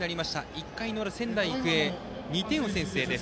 １回の裏、仙台育英２点を先制です。